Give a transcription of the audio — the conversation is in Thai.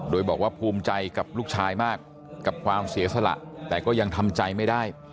โดยบอกว่าภูมิใจกับลูกชายมากกับความเสียสละแต่ก็ยังทำใจไม่ได้